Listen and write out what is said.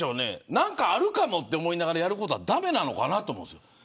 何かあるかもと思いながらやることは駄目なのかなと思うんです。